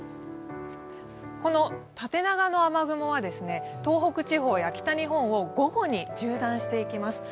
縦長の雨雲は東北地方や北日本を午後に縦断していきます。